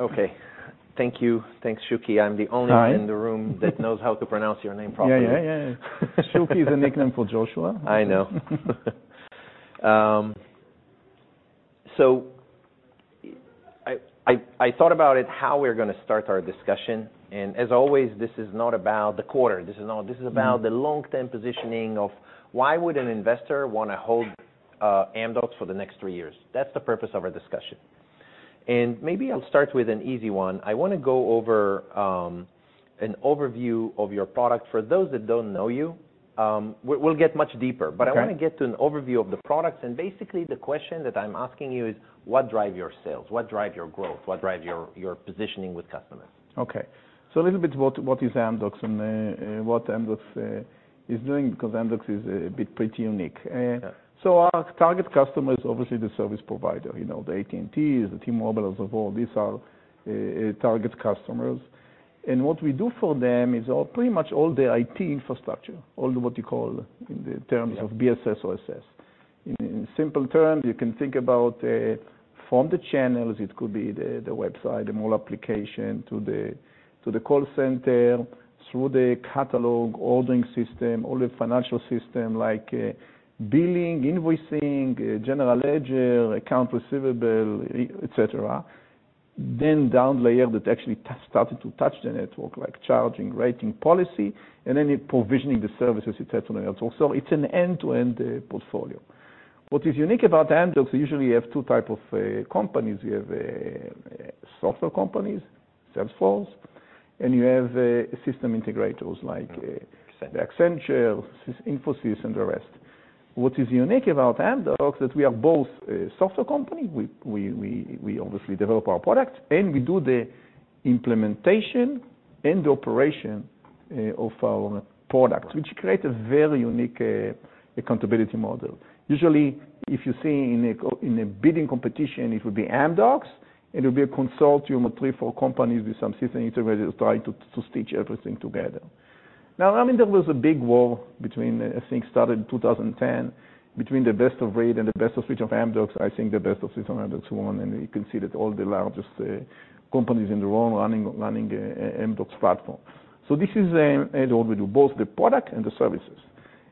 Okay. Thank you. Thanks, Shuki. I'm the only one. Hi In the room that knows how to pronounce your name properly. Shuki is a nickname for Joshua. I know. I thought about it, how we're going to start our discussion, and as always, this is not about the quarter. This is not- Mm-hmm. This is about the long-term positioning and why an investor would want to hold Amdocs for the next three years. That is the purpose of our discussion. I want to go over an overview of your product for those who do not know the company, and then we will get much deeper into the details. Okay. I want to get to an overview of the products, and basically, the question that I'm asking you is, what drive your sales? What drive your growth? What drive your positioning with customers? Okay. a little bit what is Amdocs and what Amdocs is doing, because Amdocs is a bit pretty unique. Yeah. Our target customer is obviously the service provider, you know, the AT&Ts, the T-Mobile of the world. These are target customers. What we do for them is all, pretty much all the IT infrastructure. -of BSS/OSS. In simple terms, you can think about from the channels, it could be the website, the mobile application to the call center, through the catalog, ordering system, all the financial system, like billing, invoicing, general ledger, account receivable, et cetera. Down layer, that actually started to touch the network, like charging, rating, policy, and then it provisioning the services it has on the network. It's an end-to-end portfolio. What is unique about Amdocs, usually you have two type of companies. You have software companies, Salesforce, and you have system integrators like- Accenture. Accenture, Infosys, and the rest. What is unique about Amdocs, that we are both a software company, we obviously develop our products, and we do the implementation and operation of our products, which create a very unique accountability model. Usually, if you see in a bidding competition, it would be Amdocs, it would be a consortium of three, four companies with some system integrators trying to stitch everything together. I mean, there was a big war between, I think, started in 2010, between the best of breed and the best of switch of Amdocs. I think the best of system Amdocs won, and you can see that all the largest companies in the world running Amdocs platform. This is and what we do, both the product and the services.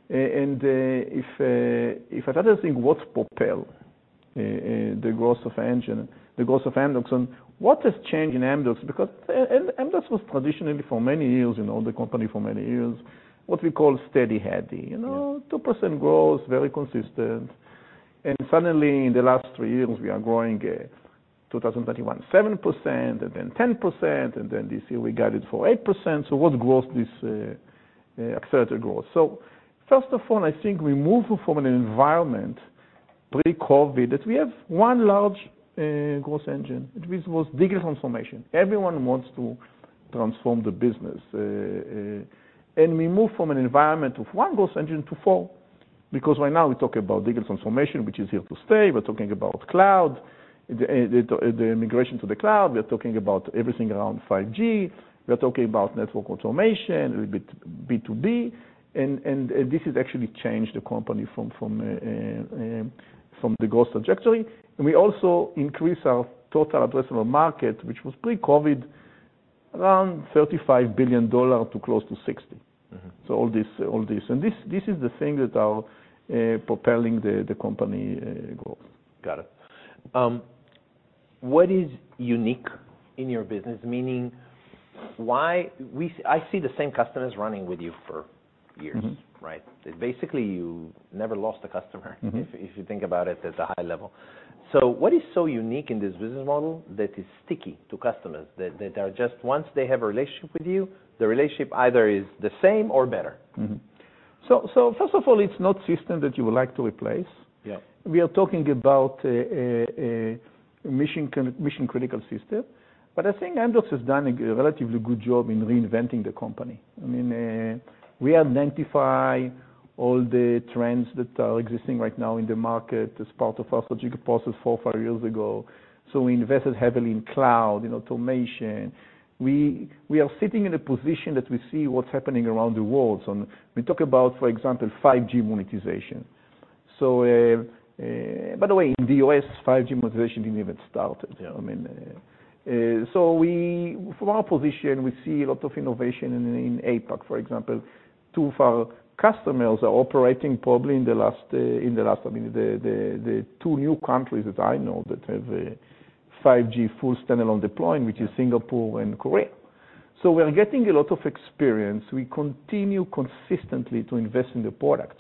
If another thing, what's propelled the growth of Amdocs, and what has changed in Amdocs? Because Amdocs was traditionally, for many years, you know, the company for many years, what we call steady heady. Yeah. Traditionally, Amdocs delivered consistent 2% growth. However, over the last three years, our growth has accelerated. We grew 7% in 2021, followed by 10% the next year, and we have guided for 8% growth for the current year. We also increased our total addressable market, which was pre-COVID, around $35 billion to close to $60 billion. Mm-hmm. All this. This is the thing that are propelling the company growth. Got it. What is unique in your business? Meaning, I see the same customers running with you for years. Mm-hmm. Right? Basically, you never lost a customer. Mm-hmm. If you think about it at a high level. What is so unique in this business model that is sticky to customers, that are just once they have a relationship with you, the relationship either is the same or better? First of all, it's not system that you would like to replace. Yeah. We are talking about a mission critical system, but I think Amdocs has done a relatively good job in reinventing the company. I mean, we identify all the trends that are existing right now in the market as part of our strategic process 4, 5 years ago. We invested heavily in cloud, in automation. We are sitting in a position that we see what's happening around the world. We talk about, for example, 5G monetization. By the way, in the U.S., 5G monetization didn't even start, I mean... We, from our position, we see a lot of innovation in APAC, for example, two of our customers are operating probably in the last, I mean, the two new countries that I know that have a 5G standalone deployment, which is Singapore and Korea. We are getting a lot of experience. We continue consistently to invest in the product.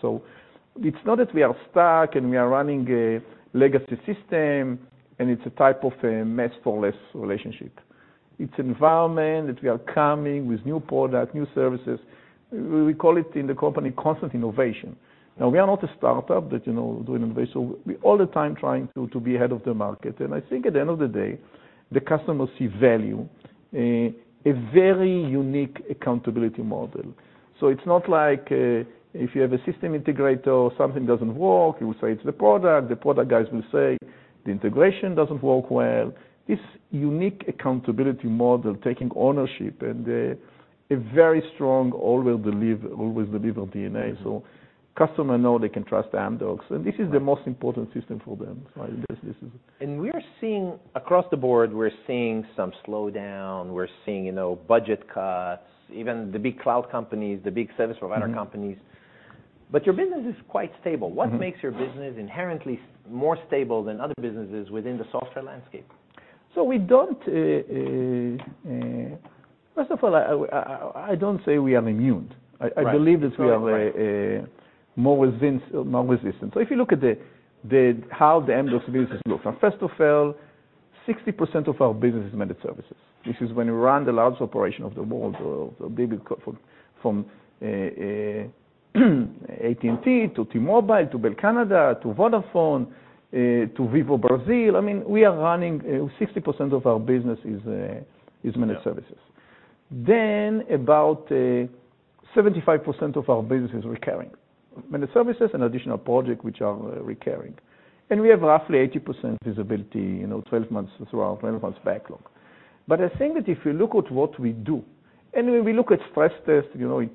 It's not that we are stuck and we are running a legacy system, and it's a type of a mess for less relationship. It's environment, that we are coming with new product, new services. We call it in the company, constant innovation. We are not a startup that, you know, do innovation. We all the time trying to be ahead of the market. I think at the end of the day, the customers see value, a very unique accountability model. It's not like if you have a system integrator or something doesn't work, you say it's the product, the product guys will say the integration doesn't work well. It's unique accountability model, taking ownership and a very strong always deliver DNA. Mm-hmm. Customer know they can trust Amdocs, and this is the most important system for them. We're seeing, across the board, we're seeing some slowdown, we're seeing, you know, budget cuts, even the big cloud companies, the big service provider companies. Mm-hmm. Your business is quite stable. Mm-hmm. What makes your business inherently more stable than other businesses within the software landscape? We don't, first of all, I don't say we are immune. Right. I believe that we are more resistant. If you look at the how the Amdocs business look. First of all, 60% of our business is managed services. This is when we run the largest operation of the world, from AT&T, to T-Mobile, to Bell Canada, to Vodafone, to Vivo Brazil. I mean, we are running, 60% of our business is managed services. Yeah. Approximately 75% of our business is recurring, comprised of managed services and recurring projects. We maintain roughly 80% visibility over a 12-month period through our 12-month backlog. When we stress-test our model against events like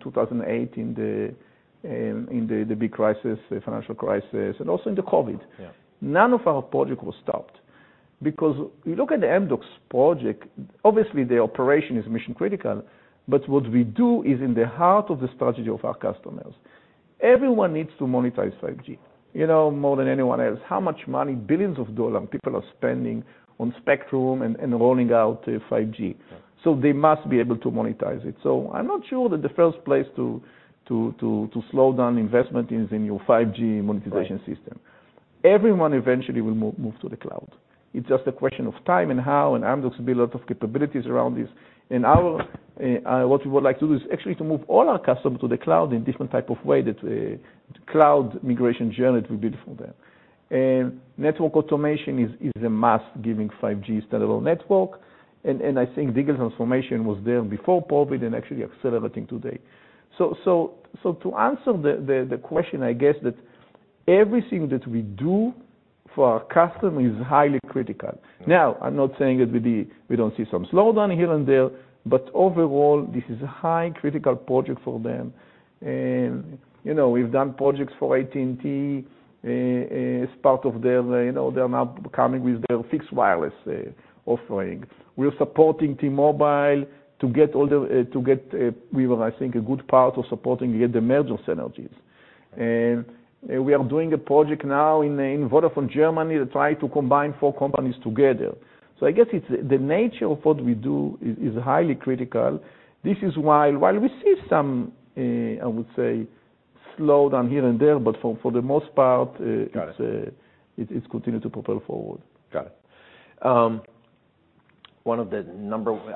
the 2008 financial crisis, we find that none of our projects were stopped. Yeah. They must be able to monetize it. I'm not sure that the first place to slow down investment is in your 5G monetization system. Right. Everyone eventually will move to the cloud. It's just a question of time and how. Amdocs will be a lot of capabilities around this. Our, what we would like to do is actually to move all our customers to the cloud in different type of way, that cloud migration journey will be beautiful then. Network automation is a must, giving 5G scalable network, and I think digital transformation was there before COVID and actually accelerating today. To answer the question, I guess that everything that we do for our customer is highly critical. Yeah. I am not saying that we do not see occasional slowdowns, but overall, these are highly critical projects for our customers. For example, we have delivered projects for AT&T as part of their fixed wireless offering. Got it. I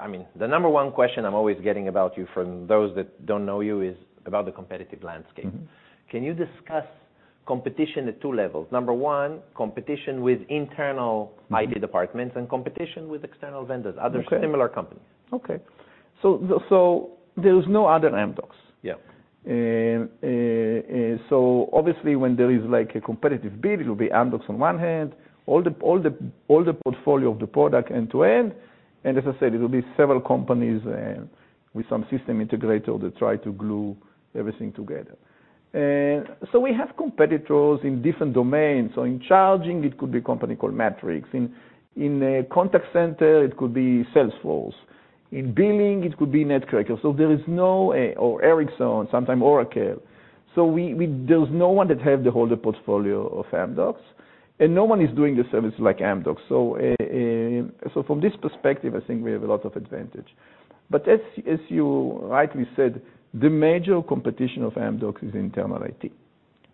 mean, the number one question I'm always getting about you from those that don't know you, is about the competitive landscape. Mm-hmm. Can you discuss competition at 2 levels? Number 1, competition with internal IT departments- Mm-hmm And competition with external vendors. Okay Other similar companies. There is no other Amdocs. Yeah. Obviously, when there is like a competitive bid, it will be Amdocs on one hand, all the portfolio of the product end-to-end, and as I said, it will be several companies and with some system integrator that try to glue everything together. We have competitors in different domains. In charging, it could be a company called MATRIXX. In a contact center, it could be Salesforce. In billing, it could be Netcracker. There is no. Ericsson, sometimes Oracle. There's no one that have the whole portfolio of Amdocs, and no one is doing the service like Amdocs. From this perspective, I think we have a lot of advantage. As you rightly said, the major competition of Amdocs is internal IT.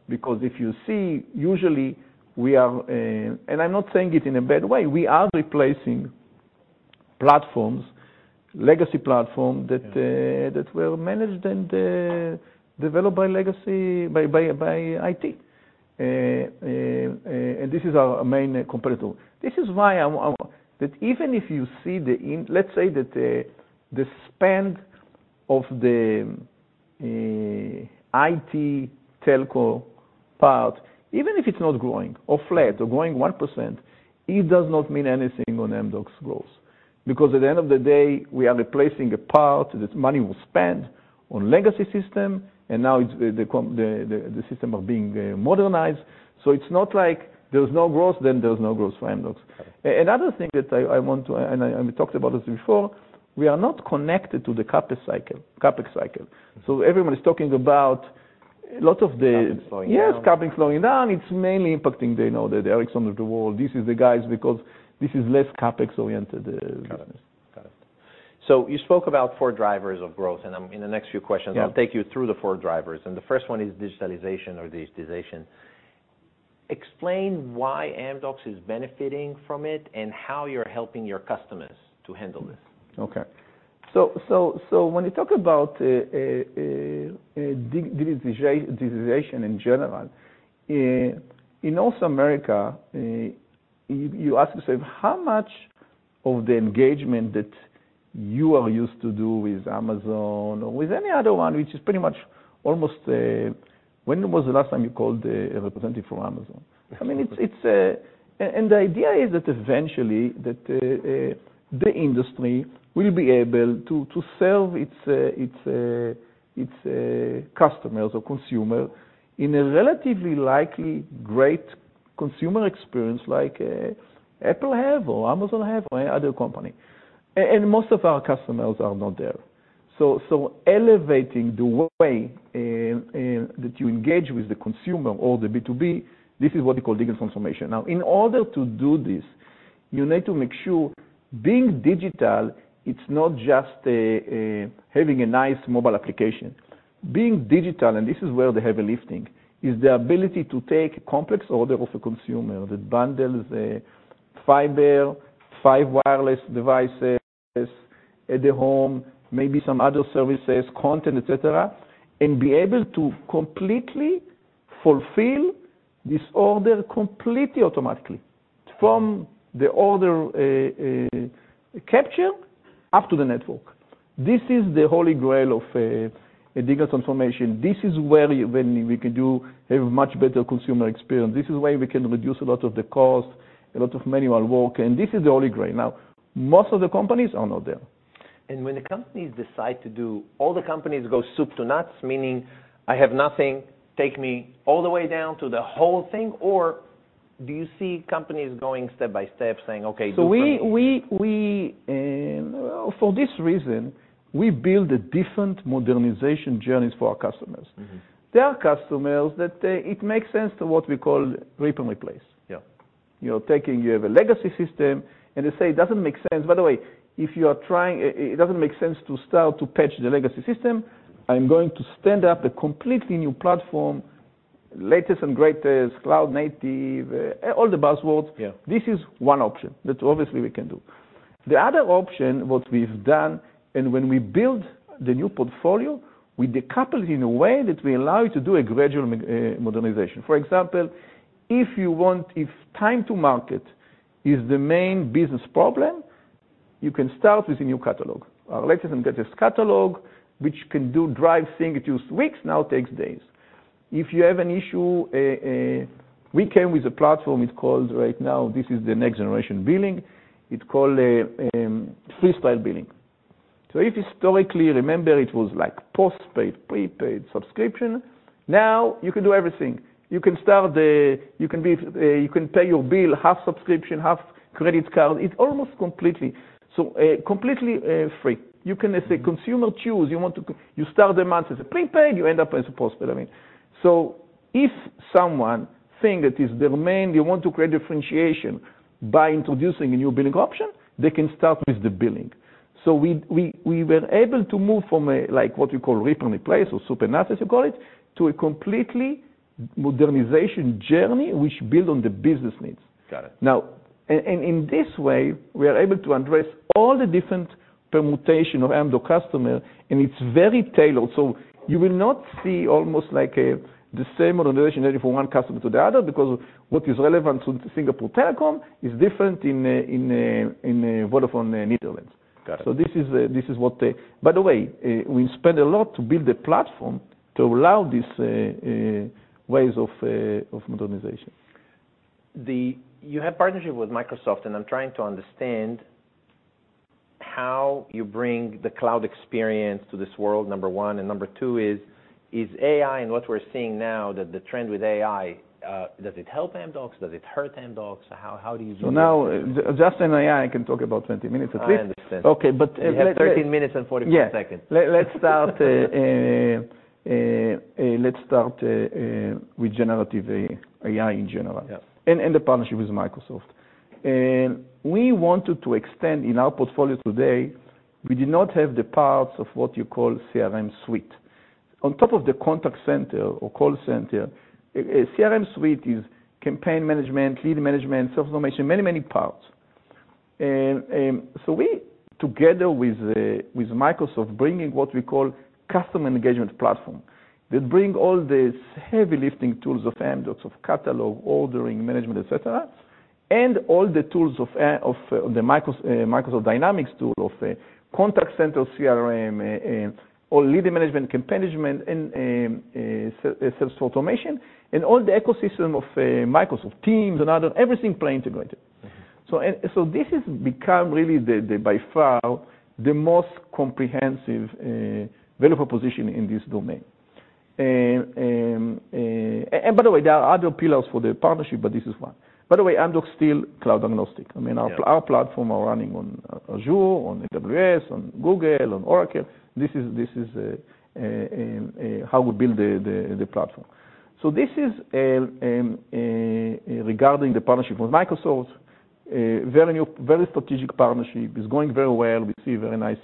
If you see, usually, we are. I'm not saying it in a bad way, we are replacing platforms, legacy platform, that were managed and developed by legacy, by IT. This is our main competitor. This is why I that even if you see Let's say that the spend of the IT telco part, even if it's not growing, or flat, or growing 1%, it does not mean anything on Amdocs growth. At the end of the day, we are replacing a part, that money was spent on legacy system, and now it's, the system are being modernized. It's not like there's no growth, then there's no growth for Amdocs. Another thing that I want to, and we talked about this before, we are not connected to the CapEx cycle. Everyone is talking about a lot of. CapEx slowing down. Yes, CapEx slowing down. It's mainly impacting the, you know, the Ericsson of the world. This is the guys, because this is less CapEx-oriented. Got it. Got it. You spoke about four drivers of growth, and in the next few questions- Yeah I'll take you through the four drivers, and the first one is digitalization or digitization. Explain why Amdocs is benefiting from it, and how you're helping your customers to handle this? Okay. When you talk about digitization in general, in North America, you ask yourself, how much of the engagement that you are used to do with Amazon or with any other one, which is pretty much almost, when was the last time you called a representative from Amazon? I mean, it's and the idea is that eventually, that the industry will be able to serve its, its customers or consumer in a relatively likely great consumer experience like Apple have, or Amazon have, or any other company. Most of our customers are not there. Elevating the way that you engage with the consumer or the B2B, this is what we call digital transformation. In order to do this, you need to make sure, being digital, it's not just a having a nice mobile application. Being digital, and this is where the heavy lifting, is the ability to take a complex order of a consumer, that bundles a fiber, five wireless devices at the home, maybe some other services, content, et cetera, and be able to completely fulfill this order completely automatically, from the order capture up to the network. This is the holy grail of a digital transformation. This is where, when we can do a much better consumer experience. This is where we can reduce a lot of the cost, a lot of manual work, and this is the holy grail. Most of the companies are not there. All the companies go soup to nuts, meaning I have nothing, take me all the way down to the whole thing, or do you see companies going step by step, saying, "Okay, do for me"? We, for this reason, we build a different modernization journeys for our customers. Mm-hmm. There are customers that, it makes sense to what we call rip and replace. Yeah. You're taking, you have a legacy system, and they say, "It doesn't make sense..." By the way, if you are trying, it doesn't make sense to start to patch the legacy system, I'm going to stand up a completely new platform, latest and greatest, cloud native, all the buzzwords. Yeah. This is one option that obviously we can do. The other option, what we've done, and when we build the new portfolio, we decouple it in a way that we allow you to do a gradual modernization. For example, if time to market is the main business problem, you can start with a new catalog. Our latest and greatest catalog, which can do drive thing, it use weeks, now takes days. If you have an issue, we came with a platform, it's called right now, this is the next generation billing. It's called Freestyle Billing. If historically, remember, it was like post-paid, prepaid subscription, now you can do everything. You can start, you can pay your bill, half subscription, half credit card. It's almost completely. completely free. You can, let's say, consumer choose, you start the month as a prepaid, you end up as a post-paid, I mean. If someone think that is their, they want to create differentiation by introducing a new billing option, they can start with the billing. We were able to move from a, like, what you call rip and replace, or soup to nuts, as you call it, to a completely modernization journey, which build on the business needs. Got it. Now, and in this way, we are able to address all the different permutation of Amdocs customer, and it's very tailored. You will not see almost like the same modernization from one customer to the other, because what is relevant to Singapore Telecom is different in Vodafone Netherlands. Got it. This is, this is what. By the way, we spent a lot to build a platform to allow these ways of modernization. You have partnership with Microsoft, and I'm trying to understand how you bring the cloud experience to this world, number one. Number two is AI and what we're seeing now, the trend with AI, does it help Amdocs? Does it hurt Amdocs? How do you see it? Now, just AI, I can talk about 20 minutes at least. I understand. Okay, let. We have 13 minutes and 44 seconds. Yeah. Let's start with generative AI in general. Yeah We also have our partnership with Microsoft. We wanted to extend our portfolio because, previously, we did not have the components for what you call a CRM suite. Beyond the contact center or call center, a CRM suite includes campaign management, lead management, sales automation, and many other parts. This has become really the by far, the most comprehensive value proposition in this domain. By the way, there are other pillars for the partnership, but this is one. By the way, Amdocs is still cloud agnostic. Yeah. I mean, our platform are running on Azure, on AWS, on Google, on Oracle. This is how we build the platform. This is regarding the partnership with Microsoft, a very new, very strategic partnership. It's going very well. We see very nice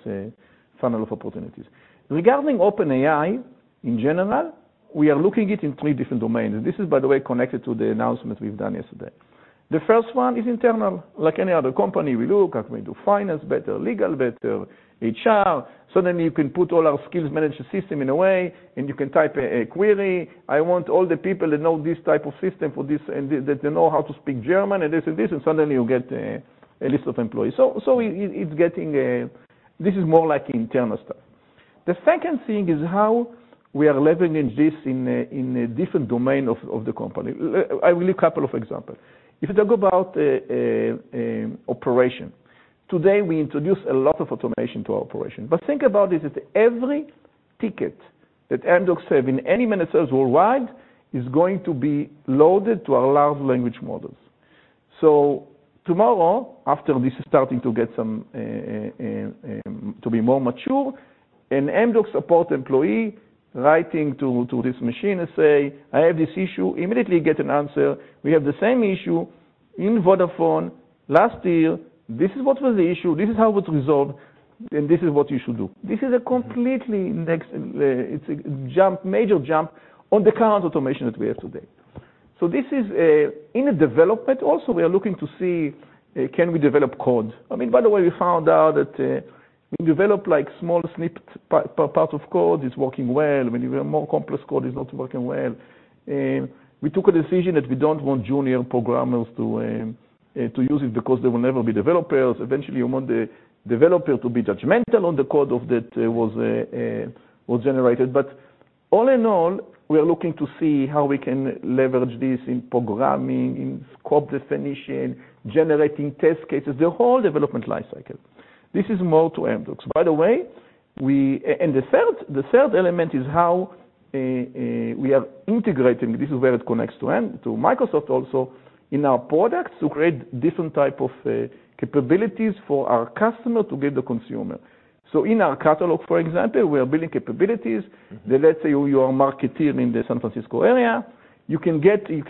funnel of opportunities. Regarding OpenAI, in general, we are looking it in three different domains, and this is, by the way, connected to the announcement we've done yesterday. The first one is internal. Like any other company, we look at, we do finance better, legal better, HR. You can put all our skills management system in a way, and you can type a query. I want all the people that know this type of system for this, and that they know how to speak German, and this and this, and suddenly you get a list of employees. It's getting. This is more like internal stuff. The second thing is how we are leveraging this in a different domain of the company. I will give a couple of examples. If you talk about operation, today, we introduce a lot of automation to our operation. Think about this, that every ticket that Amdocs have in any minute sales worldwide is going to be loaded to our large language models. Tomorrow, after this is starting to get some to be more mature, an Amdocs support employee writing to this machine and say, "I have this issue," immediately get an answer: "We have the same issue in Vodafone last year. This is what was the issue, this is how it was resolved, and this is what you should do." This is a completely next, it's a jump, major jump on the current automation that we have today. This is in a development. Also, we are looking to see, can we develop code? I mean, by the way, we found out that we develop, like, small snippet part of code, is working well. When you have more complex code, is not working well. We took a decision that we don't want junior programmers to use it, because they will never be developers. Eventually, you want the developer to be judgmental on the code of that was generated. All in all, we are looking to see how we can leverage this in programming, in scope definition, generating test cases, the whole development life cycle. This is more to Amdocs. By the way, the third element is how we are integrating, this is where it connects to Microsoft also, in our products, to create different type of capabilities for our customer, to give the consumer. In our catalog, for example, we are building capabilities that let's say you are a marketer in the San Francisco area, you can getting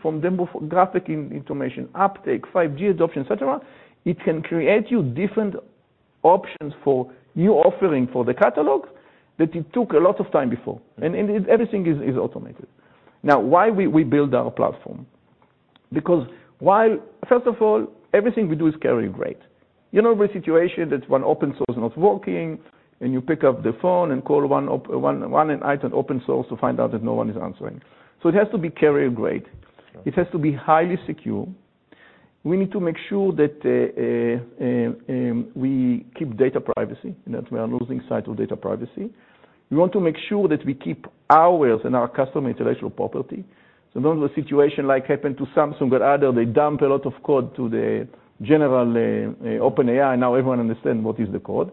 from demographic information, uptake, 5G adoption, et cetera, it can create you different options for new offering for the catalog, that it took a lot of time before, and everything is automated. Why we build our platform? First of all, everything we do is carrier grade. You know the situation that when open source is not working, and you pick up the phone and call one item open source to find out that no one is answering. It has to be carrier grade. Okay. It has to be highly secure. We need to make sure that we keep data privacy, not we are losing sight of data privacy. We want to make sure that we keep ours and our customer intellectual property. Not the situation like happened to Samsung, where either they dumped a lot of code to the general OpenAI, and now everyone understand what is the code.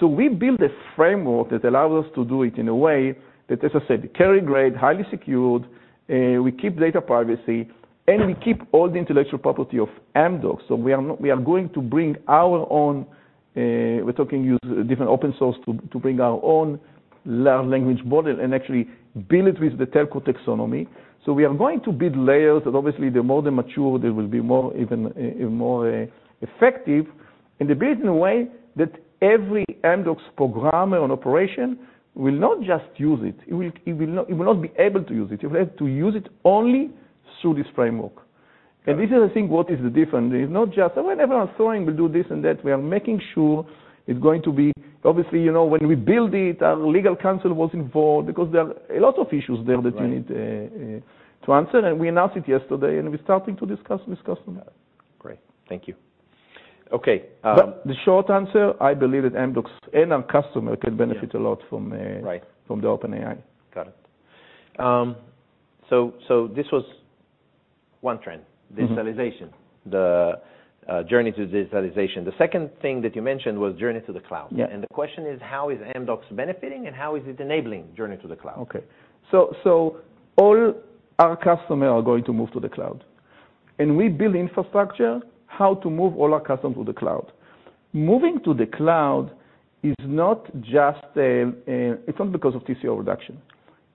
We build a framework that allows us to do it in a way that, as I said, carrier grade, highly secured, we keep data privacy, and we keep all the intellectual property of Amdocs. We are going to bring our own, we're talking use different open source to bring our own large language model, and actually build it with the telco taxonomy. We are going to build layers, and obviously, the more they mature, they will be more, even, more effective. They build in a way that every Amdocs programmer on operation will not just use it will not be able to use it. You will have to use it only through this framework. Right. This is, I think, what is the different. It's not just, "Oh, everyone is doing, we'll do this and that." We are making sure it's going to be... Obviously, you know, when we build it, our legal counsel was involved, because there are a lot of issues there. Right... that you need to answer. We announced it yesterday, and we're starting to discuss with customer. Great. Thank you. Okay. The short answer, I believe that Amdocs and our customer can benefit- Yeah... a lot from, Right... from the OpenAI. Got it. This was one. Mm-hmm. Digitalization, the journey to digitalization. The second thing that you mentioned was journey to the cloud. Yeah. The question is: How is Amdocs benefiting, and how is it enabling journey to the cloud? All our customers are going to move to the cloud. We have built the infrastructure to facilitate this transition for all our clients. Moving to the cloud is not strictly about TCO reduction;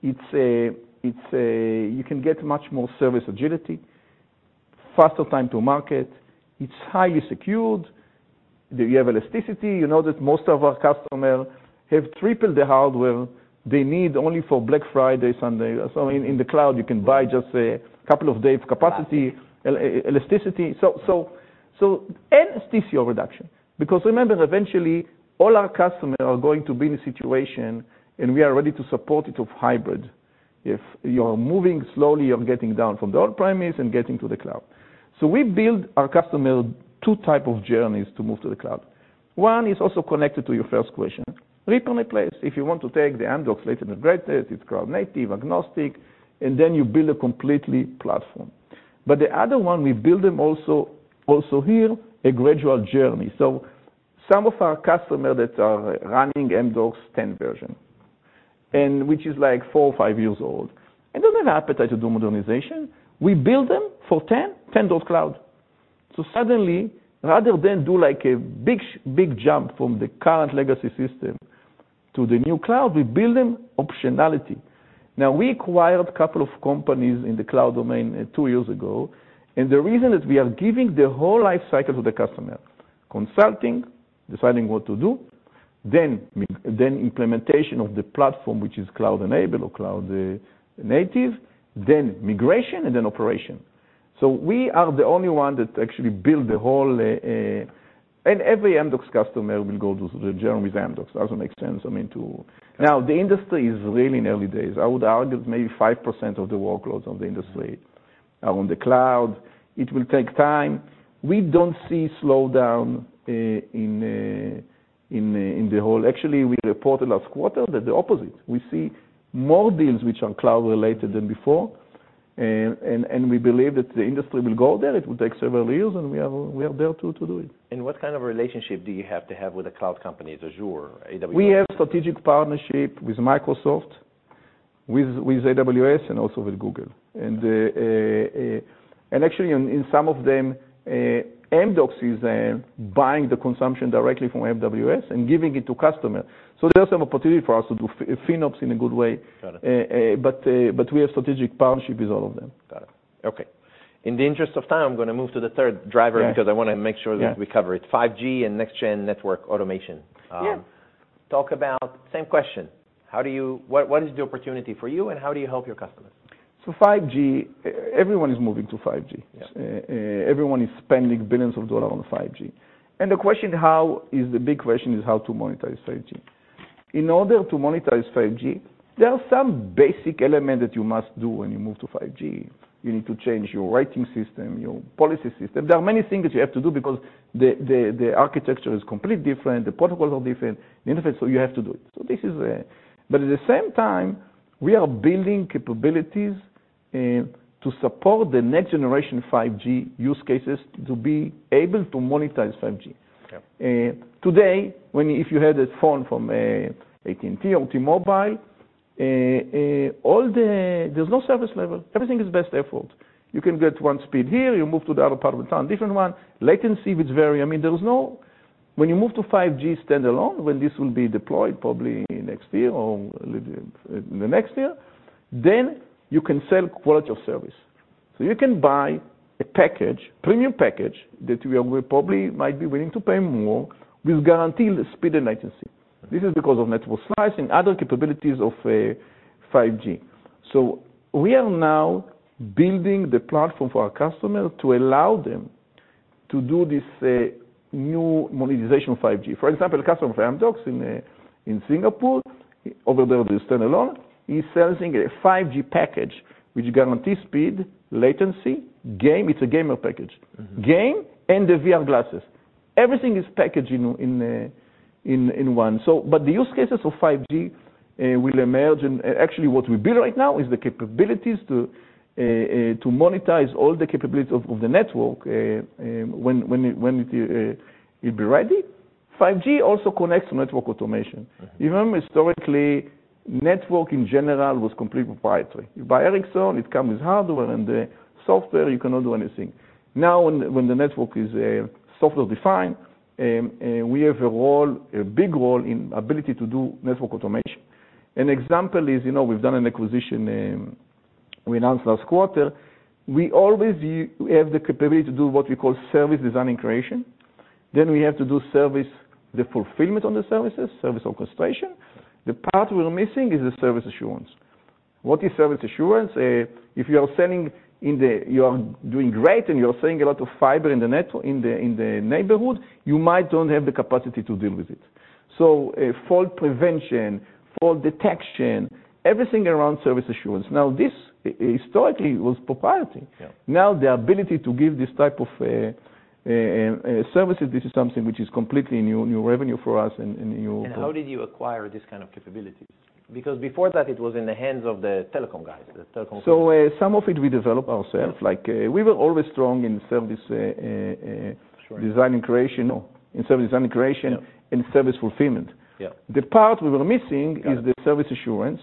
it is about achieving greater service agility and a faster time to market. It is highly secure and provides elasticity. Most of our customers traditionally tripled the hardware they needed just for events like Black Friday or Cyber Sunday. In the cloud, you can purchase that capacity for just a couple of days. Right hat elasticity leads to TCO reduction. Eventually, all our customers will be in a hybrid situation, and we are ready to support that. As they move, they scale down on-premises operations and scale up in the cloud. We have built two types of journeys for our customers to move to the cloud. Suddenly, rather than do like a big, big jump from the current legacy system to the new cloud, we build them optionality. We acquired a couple of companies in the cloud domain, two years ago, and the reason is we are giving the whole lifecycle to the customer: consulting, deciding what to do, then implementation of the platform, which is cloud-enabled or cloud native, then migration, and then operation. We are the only one that actually build the whole... Every Amdocs customer will go through the journey with Amdocs. Doesn't make sense, I mean, to... The industry is really in early days. I would argue maybe 5% of the workloads of the industry are on the cloud, it will take time. We don't see slowdown in the whole. Actually, we reported last quarter that the opposite. We see more deals which are cloud related than before, and we believe that the industry will go there. It will take several years, and we are there to do it. What kind of relationship do you have to have with the cloud companies, Azure, AWS? We have strategic partnership with Microsoft, with AWS, and also with Google. Actually in some of them, Amdocs is buying the consumption directly from AWS and giving it to customer. There's some opportunity for us to do FinOps in a good way. Got it. We have strategic partnership with all of them. Got it. Okay. In the interest of time, I'm going to move to the third driver- Yeah. because I want to make sure that we cover it. Yeah. 5G and next gen network automation. Yeah. Same question: what is the opportunity for you, and how do you help your customers? 5G, everyone is moving to 5G. Yeah. Everyone is spending $ billions on 5G. The question, how, is the big question, is how to monetize 5G. In order to monetize 5G, there are some basic elements that you must do when you move to 5G. You need to change your rating system, your policy system. There are many things that you have to do because the architecture is completely different, the protocols are different, the interface, so you have to do it. At the same time, we are building capabilities to support the next generation 5G use cases to be able to monetize 5G. Yeah. Today, if you had a phone from AT&T or T-Mobile, there's no service level. Everything is best effort. You can get one speed here, you move to the other part of the town, different one. Latency, which vary. I mean, there is no. When you move to 5G standalone, when this will be deployed, probably next year or in the next year, then you can sell quality of service. You can buy a package, premium package, that you will probably might be willing to pay more, with guaranteed speed and latency. This is because of network slicing and other capabilities of 5G. We are now building the platform for our customers to allow them to do this new monetization of 5G. For example, a customer from Amdocs in Singapore, over there, with the standalone, he's selling a 5G package, which guarantee speed, latency, game, it's a gamer package. Mm-hmm. Game and the VR glasses. Everything is packaged in one. The use cases for 5G will emerge, and actually, what we build right now is the capabilities to monetize all the capabilities of the network, when it be ready. 5G also connects to network automation. Okay. Even historically, network in general was completely proprietary. You buy Ericsson, it comes with hardware and the software, you cannot do anything. When the network is software-defined, we have a role, a big role, in ability to do network automation. An example is, you know, we've done an acquisition, we announced last quarter. We always have the capability to do what we call service design and creation. We have to do service, the fulfillment on the services, service orchestration. The part we're missing is the service assurance. What is service assurance? You are doing great, and you're selling a lot of fiber in the neighborhood, you might don't have the capacity to deal with it. Fault prevention, fault detection, everything around service assurance. This historically was proprietary. Yeah. Now, the ability to give this type of services, this is something which is completely new revenue for us. How did you acquire this kind of capabilities? Because before that, it was in the hands of the telecom guys, the telecom company. Some of it we developed ourselves. Mm-hmm. Like, we were always strong in service. Sure Service design and creation. Yeah and service fulfillment. Yeah. The part we were missing. Got it. Is the service assurance.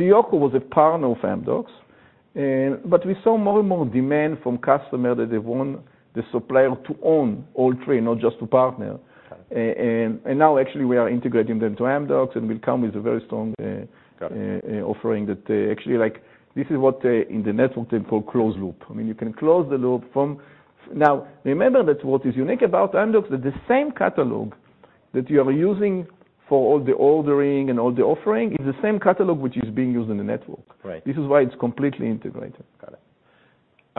Openet was a partner of Amdocs, but we saw more and more demand from customer that they want the supplier to own all three, not just to partner. Got it. Now, actually, we are integrating them to Amdocs, and we'll come with a very strong. Got it. We offer what they call a "closed-loop" in the network. You can close the loop because what is unique about Amdocs is that the same catalog used for all ordering and offerings is the same catalog used in the network. Right. This is why it's completely integrated.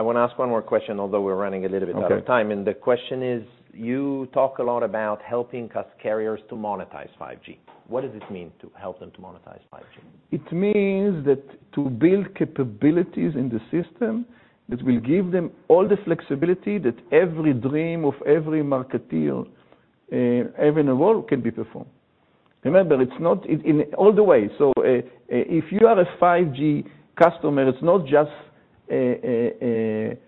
Got it. I want to ask one more question, although we're running a little bit out of time. Okay. The question is, you talk a lot about helping carriers to monetize 5G. What does this mean, to help them to monetize 5G? It means that to build capabilities in the system that will give them all the flexibility that every dream of every marketeer ever in the world can be performed. Remember, it's not in all the way. If you are a 5G customer, it's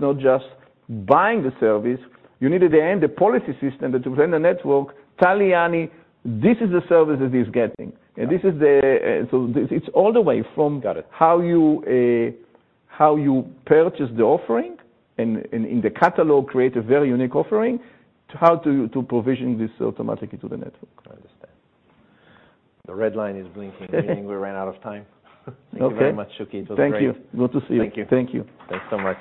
not just buying the service. You need, at the end, a policy system that will run the network, tell Yani, "This is the service that he's getting. Right. This, it's all the way. Got it. How you purchase the offering, and in the catalog, create a very unique offering, to how to provision this automatically to the network. I understand. The red line is blinking, meaning we ran out of time. Okay. Thank you very much, Shuki. It was great. Thank you. Good to see you. Thank you. Thank you. Thanks so much.